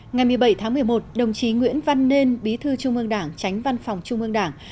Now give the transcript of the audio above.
ngày một mươi bảy tháng một mươi một đồng chí nguyễn văn nên bí thư trung ương đảng tránh văn phòng trung ương đảng